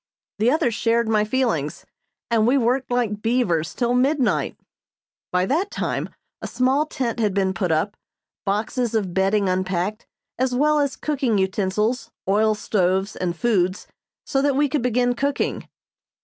The others shared my feelings, and we worked like beavers till midnight. By that time a small tent had been put up, boxes of bedding unpacked, as well as cooking utensils, oil stoves and foods, so that we could begin cooking.